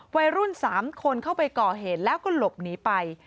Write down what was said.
วัยรุ่น๓คนเข้าไปก่อเหตุแล้วก็หลบหนีไป